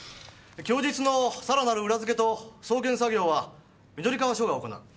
供述の更なる裏付けと送検作業は緑川署が行う。